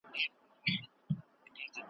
چي په سترګه یې له لیري سوله پلنډه .